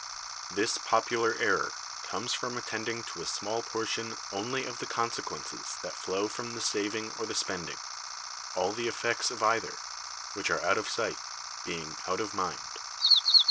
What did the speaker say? This popular error comes from attending to a small portion only of the consequences that flow from the saving or the spending; all the effects of either, which are out of sight, being out of mind.